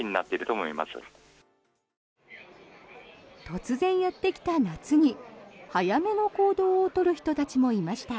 突然やってきた夏に早めの行動を取る人たちもいました。